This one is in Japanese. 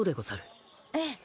ええ。